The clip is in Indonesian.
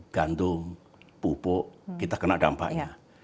gantung pupuk kita kena dampaknya